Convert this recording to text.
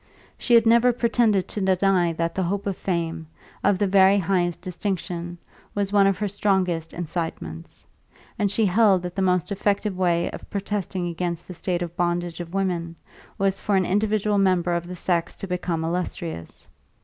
She had never pretended to deny that the hope of fame, of the very highest distinction, was one of her strongest incitements; and she held that the most effective way of protesting against the state of bondage of women was for an individual member of the sex to become illustrious.